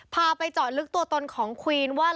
พาไปไปจัดลึกตัวตนของคุณว่า